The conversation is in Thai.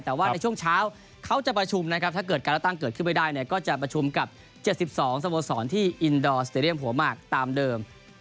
แต่ว่าในช่วงเช้าเขาจะประชุมนะครับถ้าเกิดการเลือกตั้งเกิดขึ้นไม่ได้เนี่ยก็จะประชุมกับ๗๒สโมสรที่อินดอร์สเตรียมหัวหมากตามเดิม